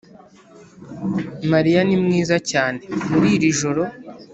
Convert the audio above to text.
mariya ni mwiza cyane muri iri joro.